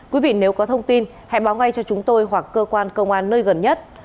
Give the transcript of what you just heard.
quý vị nếu có thông tin hãy báo ngay cho chúng tôi hoặc cơ quan công an nơi gần nhất